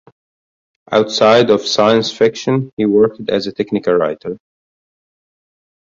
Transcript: Outside of science fiction, he worked as a technical writer.